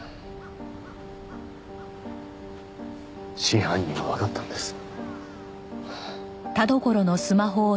真犯人はわかったんです。